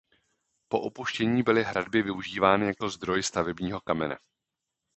Po opuštění byly hradby využívány jako zdroj stavebního kamene.